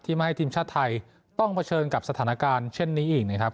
ไม่ให้ทีมชาติไทยต้องเผชิญกับสถานการณ์เช่นนี้อีกนะครับ